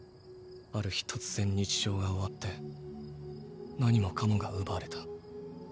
ある日突然日常が終わって何もかもが奪われた。